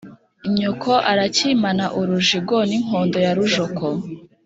ny oko arakimana urujigo n'inkondo ya rujoka